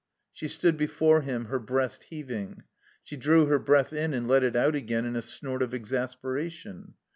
She stood before him, her breast heaving. She drew her breath in and let it out again in a snort of exasperation.